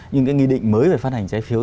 nhưng cái nghị định mới về phát hành trái phiếu